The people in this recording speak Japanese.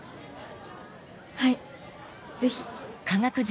はいぜひ。